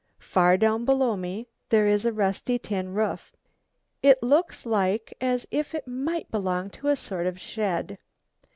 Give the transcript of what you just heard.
Far down below me there is a rusty tin roof, it looks like as if it might belong to a sort of shed.